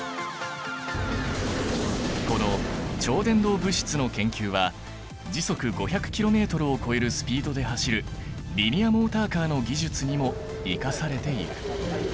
この超伝導物質の研究は時速５００キロメートルを超えるスピードで走るリニアモーターカーの技術にも生かされている。